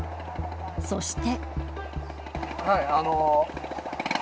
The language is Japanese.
そして。